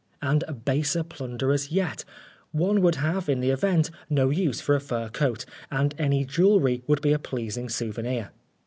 And baser plunderers yet ! One would have, in the event, no use for a fur coat, and any jewellery would be a pleasing souvenir.